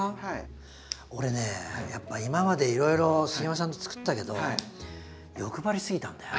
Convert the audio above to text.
俺ねやっぱ今までいろいろ杉山さんとつくったけど欲張りすぎたんだよな。